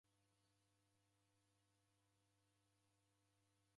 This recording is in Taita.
Warwa marasi.